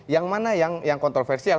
yang mana yang kontroversial